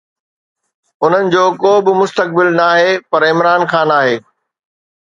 انهن جو ڪو به مستقبل ناهي پر عمران خان آهي.